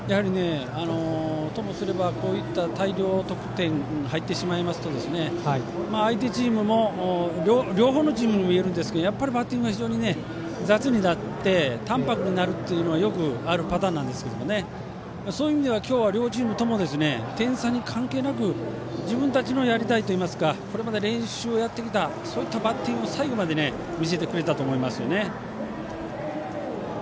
ともすればこういった大量得点が入ってしまいますと両方のチームにいえるんですがバッティングが非常に雑になってたん白になるというのはよくあるパターンなんですけどそういう意味では今日は両チームとも点差に関係なく自分たちのやりたいといいますかこれまで練習をやってきたそういったバッティングを最後まで見せてくれたと思います。